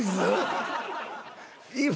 今。